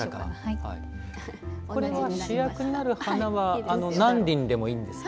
主役になる花は何輪でもいいんですか？